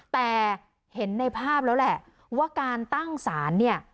แต่เห็นในภาพแล้วแหละว่าการตั้งศาลเนี่ย